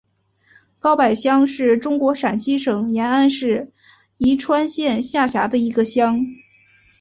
高柏乡是中国陕西省延安市宜川县下辖的一个乡。